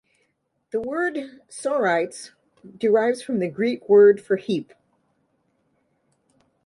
The word "sorites" derives from the Greek word for heap.